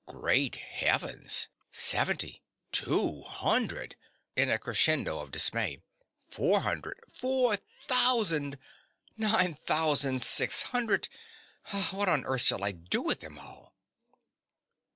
_) Great Heavens! Seventy! Two hundred! (In a crescendo of dismay.) Four hundred! Four thousand!! Nine thousand six hundred!!! What on earth shall I do with them all?